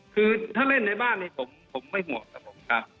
คือถ้าเล่นในบ้านนี้ผมไม่ห่วงครับผมครับ